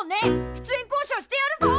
出演交渉してやるぞ！